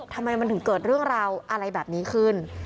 ทำไมมันถึงเกิดเรื่องราวอะไรแบบนี้ขึ้น